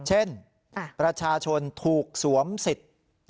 เช่นประชาชนถูกสวมสิทธิ์